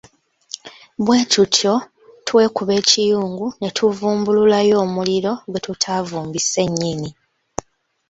Bwe tutyo twekuba ekiyungu ne tuvumbulayo omuliro gwe tutaavumbise nnyini.